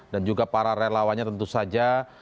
dan juga para relawanya tentu saja